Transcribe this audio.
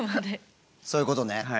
そういうことね。